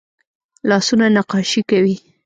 لاسونه نقاشي کوي